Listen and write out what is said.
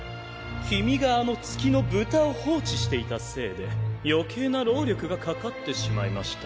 君があの月の豚を放置していたせいで余計な労力がかかってしまいました。